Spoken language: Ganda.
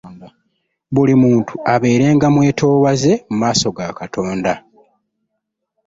Buli muntu abeerenga mwetowaze mu maaso ga Katonda.